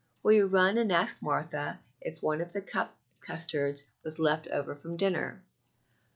Will you run and ask Martha if one of the cup custards was left over from dinner?"